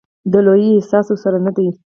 د لويي احساس ورسره نه وي.